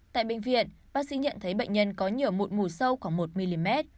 tại bệnh viện bác sĩ nhận thấy bệnh nhân có nhửa mụn mù sâu khoảng một mét